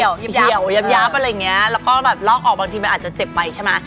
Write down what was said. เหยียวยับอะไรเงี้ยแล้วก็แบบล็อกออกบางที่มันอาจจะเจ็บไปใช่มะ